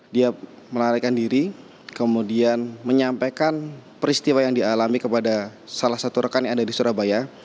dia melarikan diri kemudian menyampaikan peristiwa yang dialami kepada salah satu rekan yang ada di surabaya